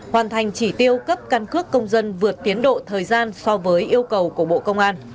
hoàn thành chỉ tiêu cấp căn cước công dân vượt tiến độ thời gian so với yêu cầu của bộ công an